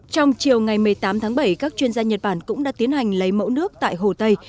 trong chiều ngày một mươi tám tháng bảy các chuyên gia nhật bản cũng đã tiến hành lấy mẫu nước tại hồ tây